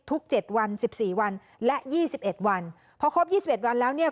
ทุก๗วัน๑๔วันและ๒๑วันเพราะครบ๒๑วันแล้วเนี่ย